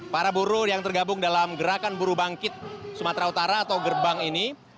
para buruh yang tergabung dalam gerakan buruh bangkit sumatera utara atau gerbang ini